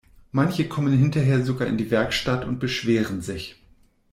Manche kommen hinterher sogar in die Werkstatt und beschweren sich.